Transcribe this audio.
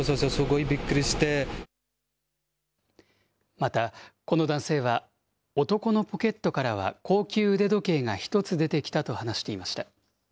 また、この男性は、男のポケットからは高級腕時計が１つ出てきたと話していました。